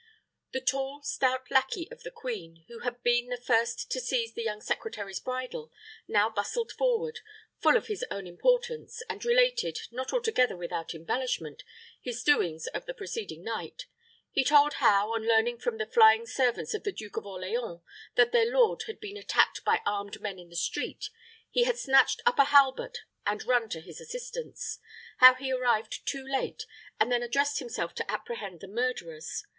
The tall, stout lackey of the queen, who had been the first to seize the young secretary's bridle, now bustled forward, full of his own importance, and related, not altogether without embellishment, his doings of the preceding night. He told how, on hearing from the flying servants of the Duke of Orleans that their lord had been attacked by armed men in the street, he had snatched up a halbert and run to his assistance; how he arrived too late, and then addressed himself to apprehend the murderers.